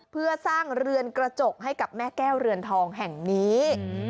เพื่อสร้างเรือนกระจกให้กับแม่แก้วเรือนทองแห่งนี้